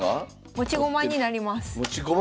持ち駒になります。